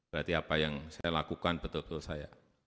berarti apa yang saya lakukan betul betul saya